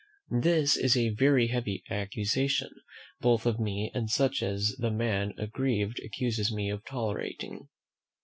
This is a very heavy accusation, both of me and such as the man aggrieved accuses me of tolerating.